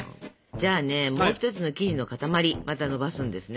じゃあねもう一つの生地の塊またのばすんですね。